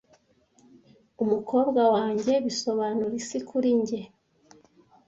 Umukobwa wanjye bisobanura isi kuri njye!